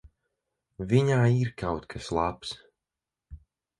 Viņā ir kaut kas labs.